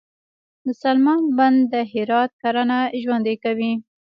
د سلما بند د هرات کرنه ژوندي کوي